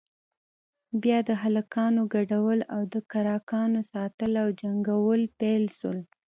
بيا د هلکانو گډول او د کرکانو ساتل او جنگول پيل سول.